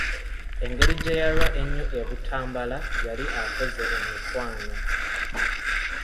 Engeri gye yalwa ennyo e Butambala yali akoze emikwano.